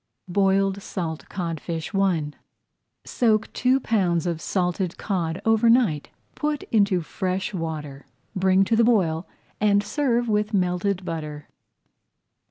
BOILED SALT CODFISH I Soak two pounds of salted cod over night, put into fresh water, bring to the boil and serve with melted butter.